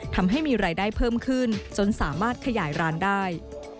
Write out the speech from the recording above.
ทำให้มีรายได้เพิ่มขึ้นจนสามารถขยายร้านได้